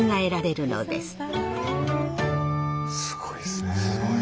すごいですね。